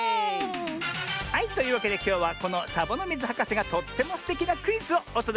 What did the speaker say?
はいというわけできょうはこのサボノミズはかせがとってもすてきなクイズをおとどけするのミズよ。